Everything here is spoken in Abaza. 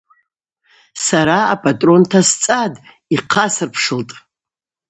Сара апӏатӏрон тасцӏатӏ, йхъасырпшылтӏ.